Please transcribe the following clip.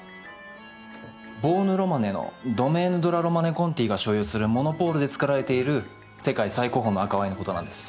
ヴォーヌ・ロマネのドメーヌ・ド・ラ・ロマンネコンティが所有するモノポールで造られている世界最高峰の赤ワインのことなんです。